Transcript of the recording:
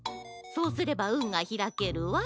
そうすればうんがひらけるわ。